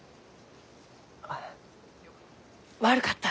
あ悪かった。